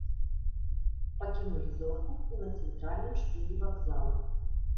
Пакінулі зорку і на цэнтральным шпілі вакзала.